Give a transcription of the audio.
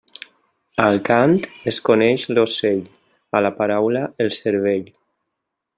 Al cant es coneix l'ocell; a la paraula, el cervell.